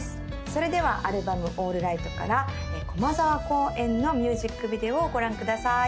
それではアルバム「オールライト」から「駒沢公園」のミュージックビデオをご覧ください